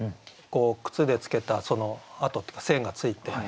靴でつけた跡っていうか線がついて。